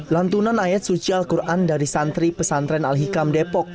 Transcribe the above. lantunan ayat suci al quran dari santri pesantren al hikam depok